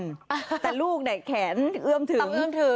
แต่ลูกเนี่ยแขนเอื้อมถึง